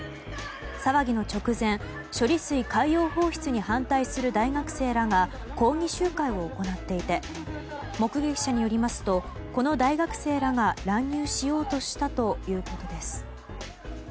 騒ぎの直前、処理水海洋放出に反対する大学生らが抗議集会を行っていて目撃者によりますとこの大学生らが乱入しようとしたということです。